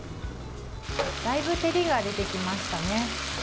だいぶ照りが出てきましたね。